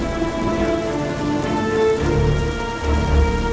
bapak pernah lihat anak ini